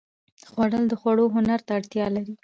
خوړل د خوړو هنر ته اړتیا لري